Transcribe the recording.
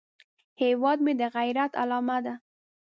هیواد مې د غیرت علامه ده